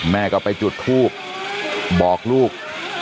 แม่ก็ไปจุดทูบบอกลูก